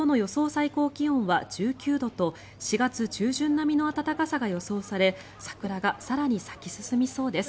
最高気温は１９度と４月中旬並みの暖かさが予想され桜が更に咲き進みそうです。